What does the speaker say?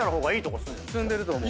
住んでると思う。